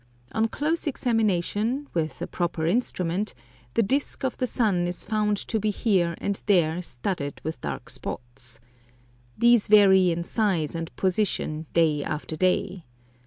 On close examination, with a proper instrument, the disc of the sun is found to be here and there studded with dark spots. These vary in size and position day after day.